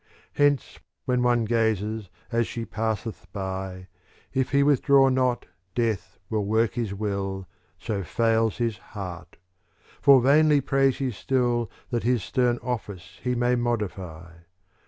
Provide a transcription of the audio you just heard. Hence when one gazes as she passeth by, * If he withdraw not, Death will work his will, So fails his heart ; for vainly prays he still That his stern office he may modify.